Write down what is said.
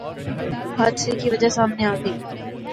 حادثے کی وجہ سامنے آگئی